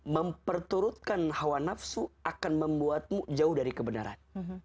memperturutkan hawa nafsu akan membuatmu jauh dari kebenaran